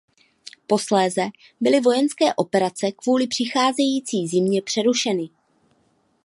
Posléze byly vojenské operace kvůli přicházející zimě přerušeny.